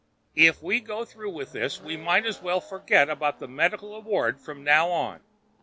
If we go through with this, we might as well forget about the medical award from now on.